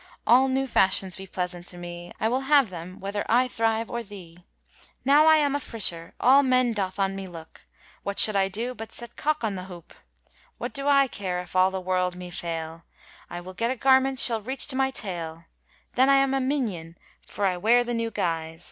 All new f ashyons be plesaont to me ; I wyl haue them, whether I thryae or thee. Now I am a frysher, all men doth on me looke ; What shonld I do, bat set oocke on the hoopet What do I care, yf all the worlde me fayle 7 I wyll get a garment shal reche to my tayle ; Than I am a minion, for I were the new gyse.